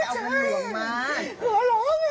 พ่อเจโกเขาให้เข้าเราทำชมลงเราไม่ได้เอาลูกหน่วงมา